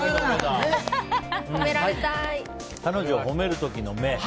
彼女を褒める時の目だ。